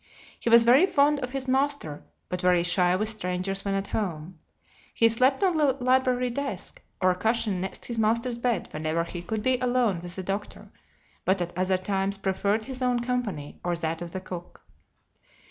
He was very fond of his master, but very shy with strangers when at home. He slept on the library desk, or a cushion next his master's bed whenever he could be alone with the doctor, but at other times preferred his own company or that of the cook.